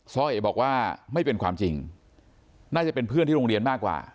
ร้อยเอบอกว่าไม่เป็นความจริงน่าจะเป็นเพื่อนที่โรงเรียนมากกว่า